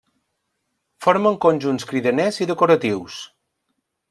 Formen conjunts cridaners i decoratius.